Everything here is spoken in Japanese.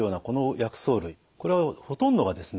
これはほとんどがですね